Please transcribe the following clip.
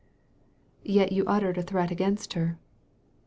" Yet you uttered a threat against her."